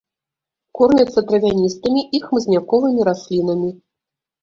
Корміцца травяністымі і хмызняковымі раслінамі.